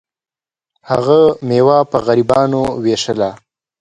هغه میوه په غریبانو ویشله.